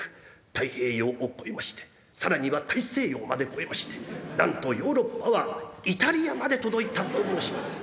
太平洋を越えまして更には大西洋まで越えましてなんとヨーロッパはイタリアまで届いたと申します。